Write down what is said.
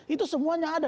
itu semuanya ada